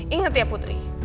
ingat ya putri